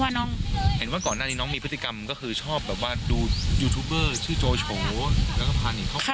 น้องเห็นว่าก่อนหน้านี้น้องมีพฤติกรรมก็คือชอบแบบว่าดูยูทูบเบอร์ชื่อโจโฉแล้วก็พาหนีเข้าไป